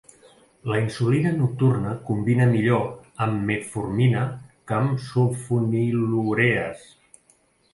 La insulina nocturna combina millor amb metformina que amb sulfonilurees.